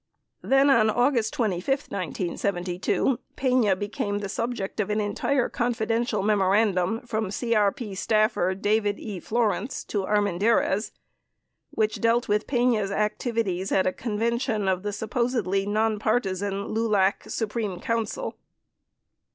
55 Then, on August 25, 1972, Pena became the subject of an entire "Confidential" memorandum from CRP staffer David E. Florence to Armendariz, which dealt with Pena's activities at a convention of the supposedly nonpartisan LULAC Supreme Council.